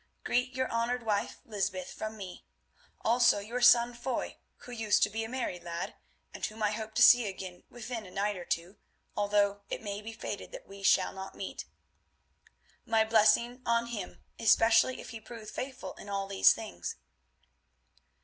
Greet your honoured wife, Lysbeth, from me; also your son Foy, who used to be a merry lad, and whom I hope to see again within a night or two, although it may be fated that we shall not meet. My blessing on him, especially if he prove faithful in all these things.